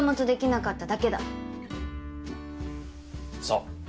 そう。